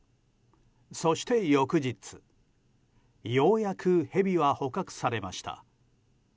そして翌日ようやくヘビは捕獲されました。